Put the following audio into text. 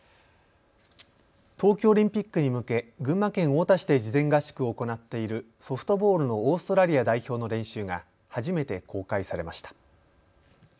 東京オリンピックに向け、群馬県太田市で事前合宿を行っているソフトボールのオーストラリア代表の練習が初めて公開されました。